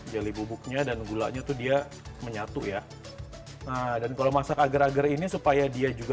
jeli bubuknya dan gulanya tuh dia menyatu ya nah dan kalau masak agar agar ini supaya dia juga